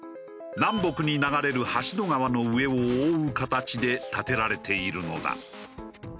南北に流れる橋戸川の上を覆う形で建てられているのだ。